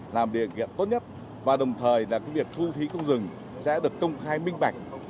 làm điều kiện tốt nhất và đồng thời là việc thu phí không dừng sẽ được công khai minh bạch